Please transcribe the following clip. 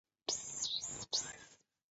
其孢子印呈白色。